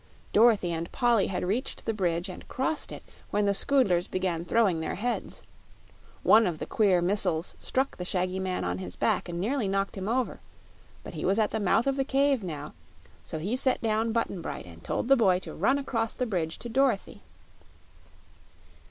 Dorothy and Polly had reached the bridge and crossed it when the Scoodlers began throwing their heads. One of the queer missiles struck the shaggy man on his back and nearly knocked him over; but he was at the mouth of the cave now, so he set down Button Bright and told the boy to run across the bridge to Dorothy.